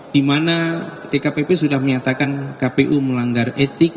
dimana dkpb sudah menyatakan kpu melanggar etik